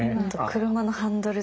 車のハンドル？